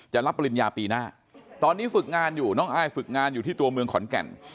รับปริญญาปีหน้าตอนนี้ฝึกงานอยู่น้องอายฝึกงานอยู่ที่ตัวเมืองขอนแก่น